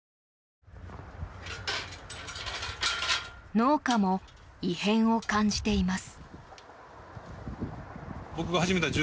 農家も異変を感じています。